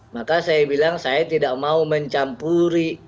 maka saya bilang saya tidak mau mencampuri